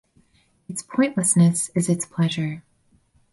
Its pointlessness is its pleasure.